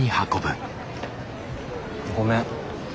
ごめん。